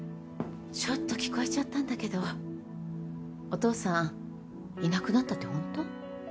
ちょっと聞こえちゃったんだけどお父さんいなくなったってホント？